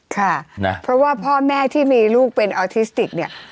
ค่ะนะเพราะว่าพ่อแม่ที่มีลูกเป็นออทิสติกเนี่ย